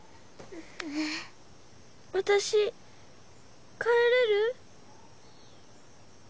私帰れる？